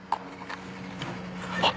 あっ。